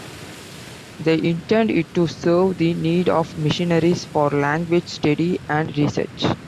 They intended it to serve the need of missionaries for language study and research.